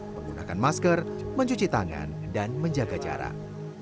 menggunakan masker mencuci tangan dan menjaga jarak